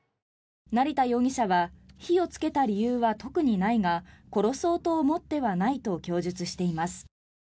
成田容疑者は火をつけた理由は特にないが殺そうと思ってはないと供述しています。